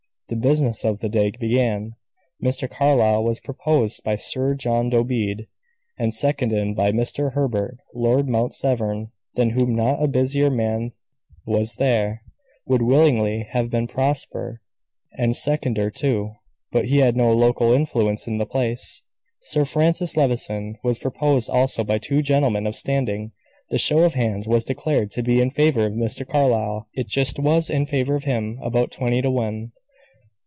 The business of the day began. Mr. Carlyle was proposed by Sir John Dobede, and seconded by Mr. Herbert. Lord Mount Severn, than whom not a busier man was there, would willingly have been proposer and seconder too, but he had no local influence in the place. Sir Francis Levison was proposed also by two gentlemen of standing. The show of hands was declared to be in favor of Mr. Carlyle. It just was in favor of him; about twenty to one.